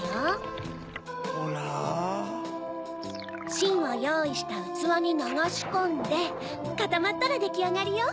しんをよういしたうつわにながしこんでかたまったらできあがりよ。